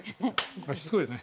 しつこいね。